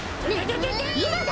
いまだ！